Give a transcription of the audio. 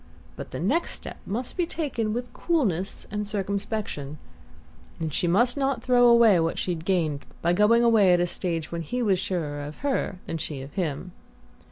But the next step must be taken with coolness and circumspection; and she must not throw away what she had gained by going away at a stage when he was surer of her than she of him.